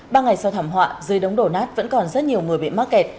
ba ngày sau thảm họa dưới đống đổ nát vẫn còn rất nhiều người bị mắc kẹt